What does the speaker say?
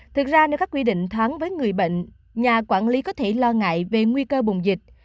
thực ra nếu các quy định thoáng với người bệnh nhà quản lý có thể lo ngại về nguy cơ bùng dịch